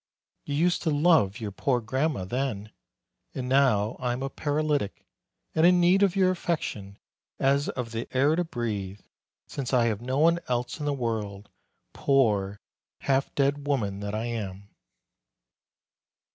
You used to love your poor grandma then. And now I am a paralytic, and in need of your affection as of the air to breathe, since I have no one else in the world, poor, half dead woman that I am."